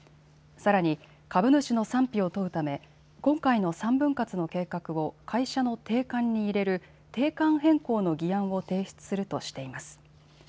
さらに株主の賛否を問うため今回の３分割の計画を会社の定款に入れる定款変更の議案を提出するとしています。